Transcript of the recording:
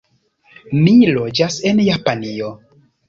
Mi loĝas en Japanio.